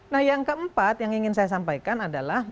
nah yang keempat yang ingin saya sampaikan adalah